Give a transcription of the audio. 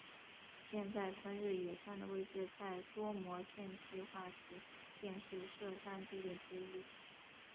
现在春日野站的位置在多摩线计画时便是设站地点之一。